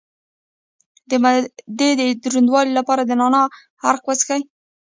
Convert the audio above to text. د معدې د دروندوالي لپاره د نعناع عرق وڅښئ